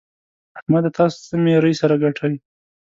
احمده! تاسو څه ميرۍ سره ګټئ؟!